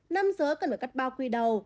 năm giới cần phải cắt bao quy đầu